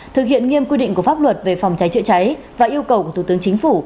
thực hiện nghiêm quy định của pháp luật về phòng cháy chữa cháy và yêu cầu của thủ tướng chính phủ